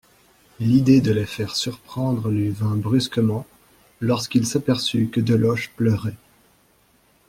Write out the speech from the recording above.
L'idée de les faire surprendre lui vint brusquement, lorsqu'il s'aperçut que Deloche pleurait.